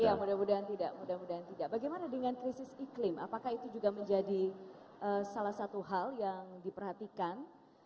ya mudah mudahan tidak bagaimana dengan krisis iklim apakah itu juga menjadi salah satu hal yang diperhatikan